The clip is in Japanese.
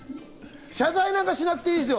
謝罪なんてしなくていいですよ。